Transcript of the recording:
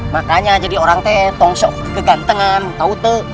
makanya jadi orang tetong sok kegantengan tau te